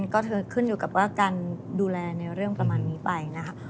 ก็คือขึ้นอยู่กับว่าการดูแลในเรื่องประมาณนี้ไปนะคะ